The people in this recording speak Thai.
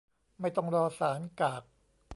ไม่ต้องรอศาล กาก